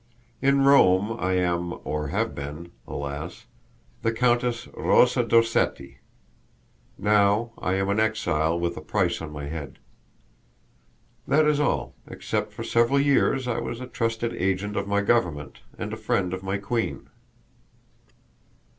In Rome I am, or have been, alas, the Countess Rosa d'Orsetti; now I am an exile with a price on my head. That is all, except for several years I was a trusted agent of my government, and a friend of my queen."